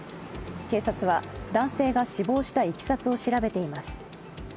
警察は男性が死亡したいきさつを調べています。